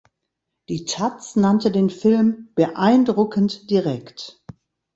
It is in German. Die taz nannte den Film „beeindruckend direkt“.